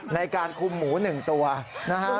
ในการคุมหมูหนึ่งตัวนะครับ